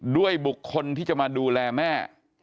ด้วยบุคคลที่จะมาดูแลแม่